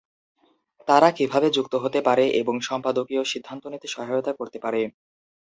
তারা কীভাবে যুক্ত হতে পারে এবং সম্পাদকীয় সিদ্ধান্ত নিতে সহায়তা করতে পারে।